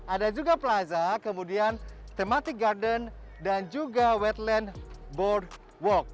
ada juga plaza kemudian thematic garden dan juga wetland boardwalk